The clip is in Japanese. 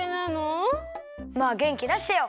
まあげんきだしてよ。